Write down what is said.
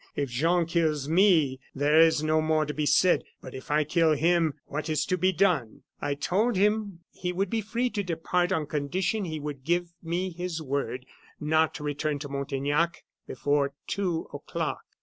If Jean kills me there is no more to be said but if I kill him, what is to be done?' "I told him he would be free to depart on condition he would give me his word not to return to Montaignac before two o'clock.